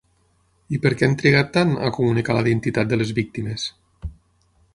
I per què han trigat tant, a comunicar la identitat de les víctimes?